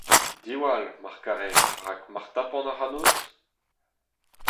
Diwall, mar kerez, rak mar tapan ac'hanout !…